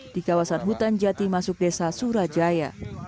di kawasan hutan jati masuk desa surajaya